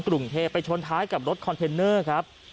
กรุงเทพไปชนท้ายกับรถคอนเทนเนอร์ครับ